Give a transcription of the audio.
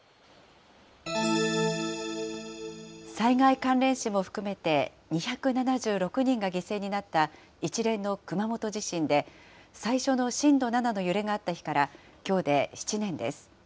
災害関連死も含めて、２７６人が犠牲になった一連の熊本地震で、最初の震度７の揺れがあった日から、きょうで７年です。